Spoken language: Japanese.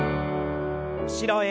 後ろへ。